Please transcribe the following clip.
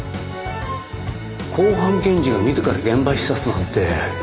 公判検事が自ら現場視察なんて。